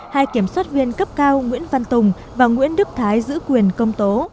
hai kiểm soát viên cấp cao nguyễn văn tùng và nguyễn đức thái giữ quyền công tố